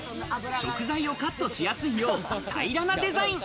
食材をカットしやすいよう、平らなデザイン。